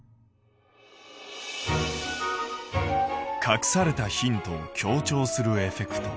隠されたヒントを強調するエフェクト。